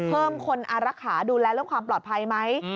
เพิ่มคนอารักษาดูแลเรื่องความปลอดภัยไหม